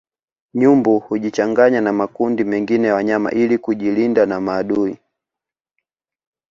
Nyumbu hujichanganya na makundi mengine ya wanyama ili kujilinda na maadui